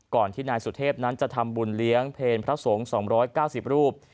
ที่นายสุเทพนั้นจะทำบุญเลี้ยงเพลพระสงฆ์๒๙๐รูป